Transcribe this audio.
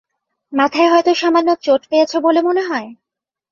মাথায় হয়তো সামান্য চোট পেয়েছো বলে মনে হয়?